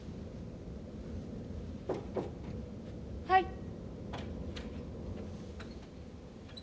はい。